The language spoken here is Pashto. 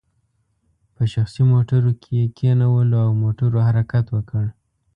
په شخصي موټرو کې یې کینولو او موټرو حرکت وکړ.